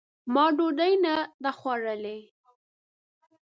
ما ډوډۍ نه ده خوړلې !